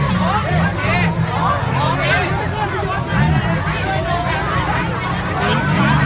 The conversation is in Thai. ก็ไม่มีเวลาให้กลับมาเท่าไหร่